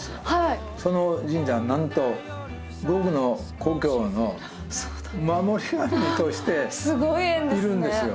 その神社はなんと僕の故郷の守り神としているんですよ。